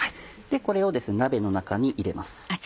これを鍋の中に入れます。